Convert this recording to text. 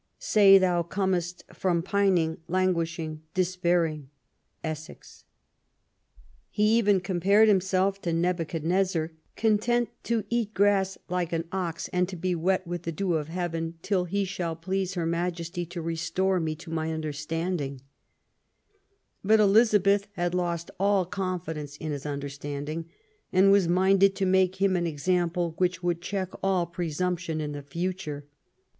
Say thou comest from pining, languishing, despairing " Essex." He even compared himself to Nebuchadnezzar, content " to eat grass like an ox, and be wet with the dew of heaven, till it shall please Her Majesty to restore me to my understanding . But Elizabeth had lost all confidence in his understanding, and was minded to make him an example which would check all presumption in the future.